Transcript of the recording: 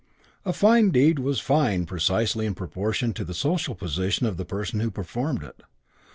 A fine deed was fine precisely in proportion to the social position of the person who performed it.